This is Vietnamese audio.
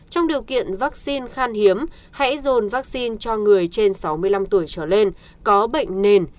trong điều kiện vaccine khan hiếm hãy dồn vaccine cho người trên sáu mươi năm tuổi trở lên có bệnh nền